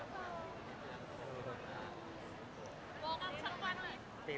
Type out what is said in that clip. วอลคอนซักวันเลย